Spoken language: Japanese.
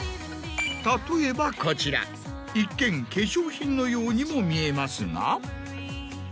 例えばこちら一見化粧品のようにも見えますが。